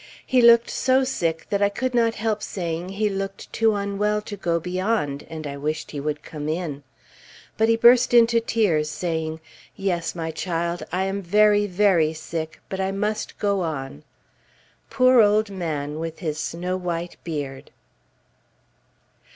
He looked so sick that I could not help saying he looked too unwell to go beyond, and I wished he would come in. But he burst into tears, saying, "Yes, my child, I am very, very sick, but I must go on." Poor old man, with his snow white beard!